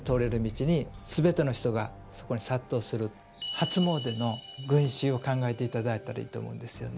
初詣の群衆を考えていただいたらいいと思うんですよね。